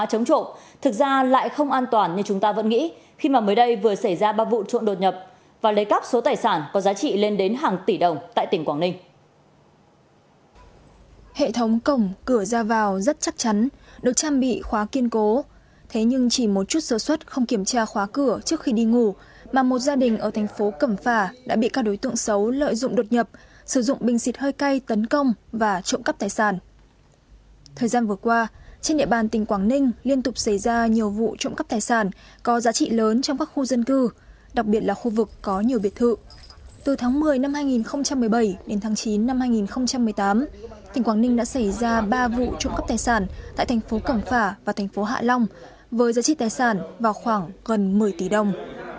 từ tháng một mươi năm hai nghìn một mươi bảy đến tháng chín năm hai nghìn một mươi tám tỉnh quảng ninh đã xảy ra ba vụ trộm cắp tài sản tại thành phố cảm phả và thành phố hạ long với giá trị tài sản vào khoảng gần một mươi tỷ đồng